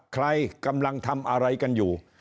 ใครกำลังทำอะไรกันอยู่